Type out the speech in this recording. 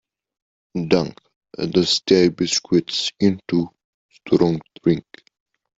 Dunk the stale biscuits into strong drink.